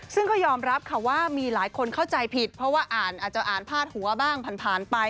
ซึ่งก็ยอมรับค่ะว่ามีหลายคนเข้าใจผิดเพราะว่าอ่านอาจจะอ่านพาดหัวบ้างผ่านไป